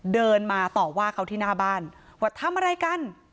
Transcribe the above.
เดินมาต่อว่าเขาที่หน้าบ้านว่าทำอะไรกัน